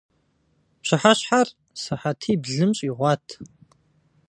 Пщыхьэщхьэр сыхьэтиблым щӀигъуат.